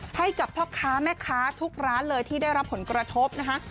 ให้กับพ่อค้าแม่ค้าทุกร้านเลยที่ได้รับผลกระทบนะคะ